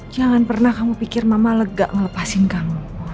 jangan pernah kamu pikir mama lega melepasin kamu